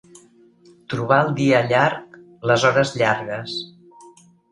Trobar el dia llarg, les hores llargues.